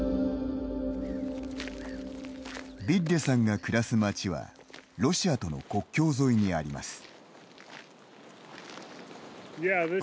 ヴィッレさんが暮らす街はロシアとの国境沿いにあります。